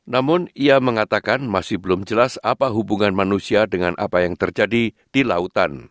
namun ia mengatakan masih belum jelas apa hubungan manusia dengan apa yang terjadi di lautan